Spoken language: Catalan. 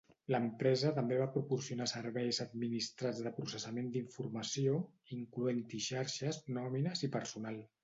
L'empresa també va proporcionar serveis administrats de processament d'informació, incloent-hi xarxes, nòmines i personal.